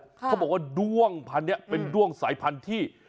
เขาบอกว่าด้วงพันธุ์นี้เป็นด้วงสายพันธุ์ที่